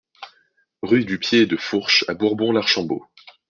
Rue du Pied de Fourche à Bourbon-l'Archambault